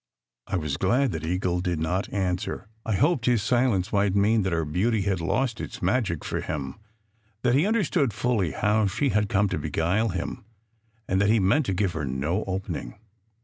I was glad that Eagle did not answer. I hoped his silence might mean that her beauty had lost its magic for him, that he understood fully how she had come to beguile him, and that he meant to give her no opening.